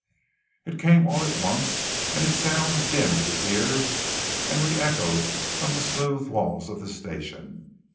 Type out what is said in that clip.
It came all at once and its sound dinned his ears and re echoed from the smooth walls of the Station.